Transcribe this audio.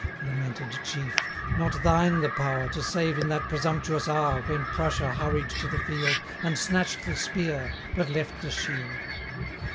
60 Lamented Chief! not thine the power, To save in that presumptuous hour, When Prussia hurried to the field, And snatch'd the spear, but left the shield!